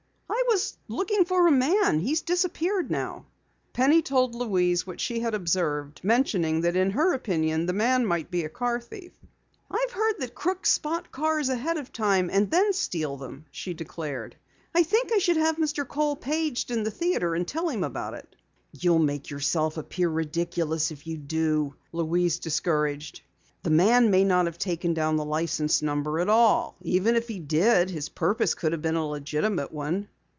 "I was looking for a man. He's disappeared now." Penny told Louise what she had observed, mentioning that in her opinion the man might be a car thief. "I've heard that crooks spot cars ahead of time and then steal them," she declared. "I think I should have Mr. Kohl paged in the theatre, and tell him about it." "You'll make yourself appear ridiculous if you do," Louise discouraged her. "The man may not have taken down the license number at all. Even if he did, his purpose could have been a legitimate one."